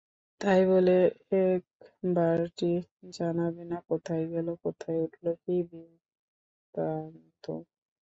তাই বলে একবারটি জানাবে না কোথায় গেল, কোথায় উঠল, কী বিত্তান্ত?